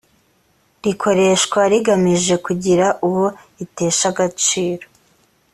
rikoreshwa rigamije kugira uwo ritesha agaciro